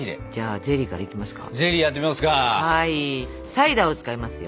サイダーを使いますよ。